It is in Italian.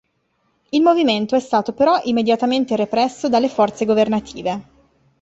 Il movimento è stato però immediatamente represso dalle forze governative.